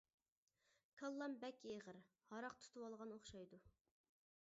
كاللام بەك ئېغىر، ھاراق تۇتۇۋالغان ئوخشايدۇ.